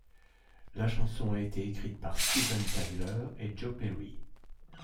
La chanson a été écrite par Steven Tyler et Joe Perry.